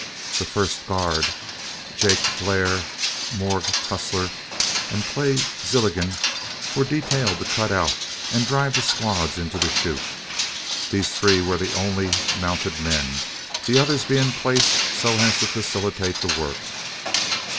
The first guard, Jake Blair, Morg Tussler, and Clay Zilligan, were detailed to cut and drive the squads into the chute. These three were the only mounted men, the others being placed so as to facilitate the work.